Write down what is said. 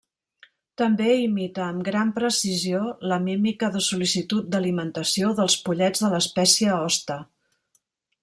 També imita amb gran precisió la mímica de sol·licitud d'alimentació dels pollets de l'espècie hoste.